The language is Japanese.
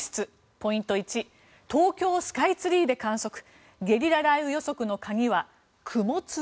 ポイント１東京スカイツリーで観測ゲリラ雷雨予測の鍵は雲粒。